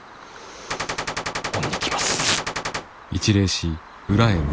恩に着ます。